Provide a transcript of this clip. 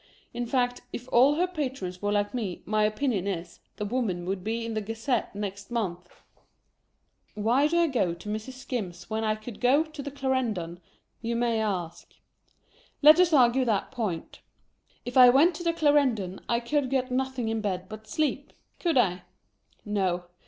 In fact, if all her patrons were like me, my opinion is, the woman would be in the Gazette next month. Why do I go to Mrs. Skim's when I could go to the Clarendon, you may ask? Let us argue that point. If I went to the Clarendon I could get nothing ia bed but sleep ; could I? No.